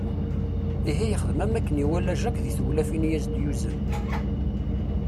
Ihi yexdem am akken iwala Jack di tewlafin i as-d-yuzen.